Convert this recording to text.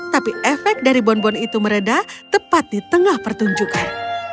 tapi efek dari bonbon itu meredah tepat di tengah pertunjukan